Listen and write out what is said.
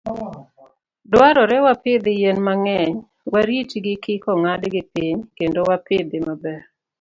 Dwarore wapidh yien mang'eny, waritgi kik ong'adgi piny, kendo wapidhi maber.